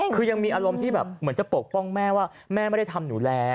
คือยังมีอารมณ์ที่แบบเหมือนจะปกป้องแม่ว่าแม่ไม่ได้ทำหนูแล้ว